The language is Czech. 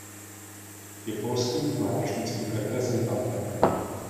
Je polským mládežnickým reprezentantem.